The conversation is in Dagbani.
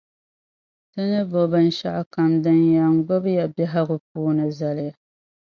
Ti ni bo binshɛɣu kam din yɛn gbubi ya biεhigu puuni zali ya.